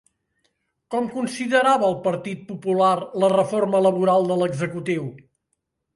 Com considerava el Partit Popular la Reforma laboral de l'executiu?